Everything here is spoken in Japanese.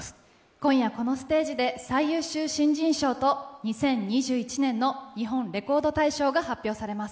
今夜このステージで最優秀新人賞と２０２１年の日本レコード大賞が発表されます。